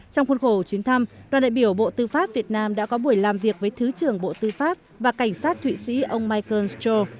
trong khuôn khổ chuyến thăm đoàn đại biểu bộ tư pháp việt nam đã có buổi làm việc với thứ trưởng bộ tư pháp và cảnh sát thụy sĩ ông michael streu